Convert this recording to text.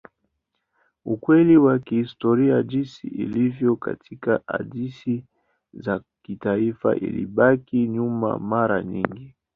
Ukweli wa kihistoria jinsi ilivyo katika hadithi za kitaifa ilibaki nyuma mara nyingi.